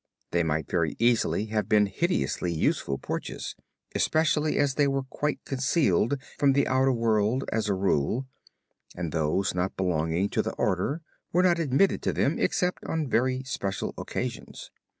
They might very easily have been hideously useful porches, especially as they were quite concealed from the outer world as a rule, and those not belonging to the order were not admitted to them except on very special occasions.